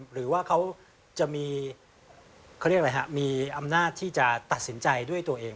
หรือว่าเขาจะมีมีอำนาจที่จะตัดสินใจด้วยตัวเอง